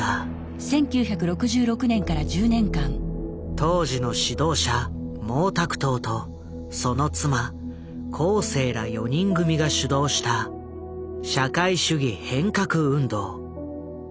当時の指導者毛沢東とその妻江青ら四人組が主導した社会主義変革運動。